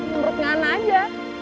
menurut ngana aja